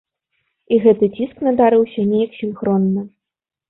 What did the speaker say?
І гэты ціск надарыўся неяк сінхронна.